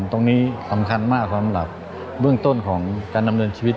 ตรงนี้สำคัญมากสำหรับเบื้องต้นของการดำเนินชีวิต